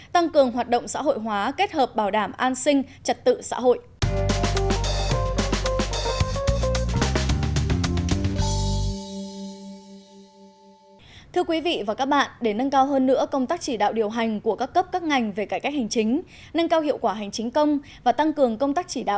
tăng cường hoạt động xã hội hóa kết hợp bảo đảm an sinh trật tự xã hội